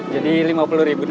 jadi lima puluh ribu neng